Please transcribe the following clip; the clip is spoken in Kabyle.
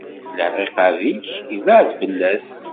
Lɛiqab-ik ibɛed fell-as.